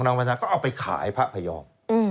ประชาก็เอาไปขายพระพยอม